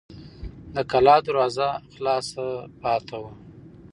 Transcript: د کلا دروازه خلاصه پاتې وه.